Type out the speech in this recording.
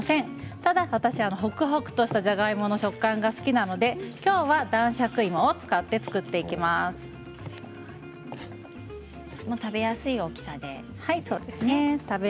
ただ私はほくほくしたじゃがいもの食感が好きなので今日は男爵芋を使って作っていきます。